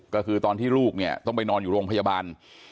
ก็คือตอนที่ลูกเนี่ยต้องไปนอนอยู่โรงพยาบาล